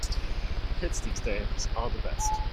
Kids these days are the best.